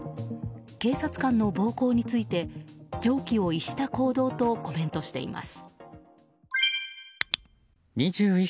警察官の暴行について常軌を逸した行動とコメントしています。